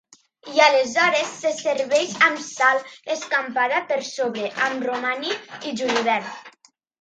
I aleshores se serveix amb sal escampada per sobre amb romaní i julivert.